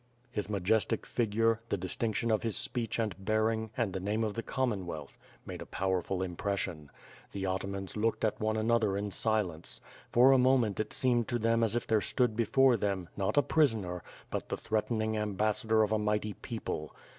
His majestic figure, the distinction of his speech and bear ing and the name of the Commonwealth made a powerful im pression. The atamans looked at one another in silence. For a moment it seemed to them as if there stood before them, not a prisoner, but the threatening ambassador of a mighty peo ple.